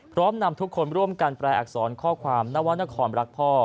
พร้อมนำทุกคนร่วมกันแปลอักษรข้อความนวรรณครรักพ่อ